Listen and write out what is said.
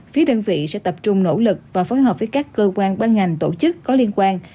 phía đơn vị sẽ tập trung nỗ lực và phối hợp với các cơ quan ban ngành tổ chức có liên quan